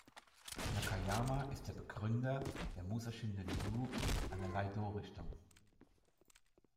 Nakayama ist der Begründer der Musō Shinden-ryū, einer Iaidō-Richtung.